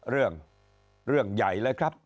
เรื่องเรื่องใหญ่เลยครับ